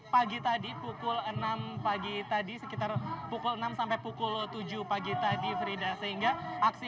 pagi tadi pukul enam pagi tadi sekitar pukul enam sampai pukul tujuh pagi tadi frida sehingga aksi